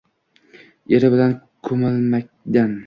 Eri bilan ko’milmakdan